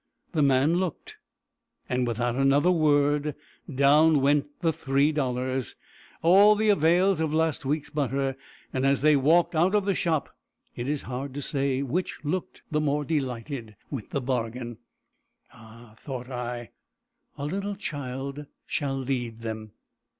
The man looked, and without another word down went the three dollars all the avails of last week's butter; and as they walked out of the shop, it is hard to say which looked the more delighted with the bargain. "Ah," thought I, "a little child shall lead them."